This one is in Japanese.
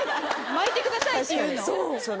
「まいてください」って言うの？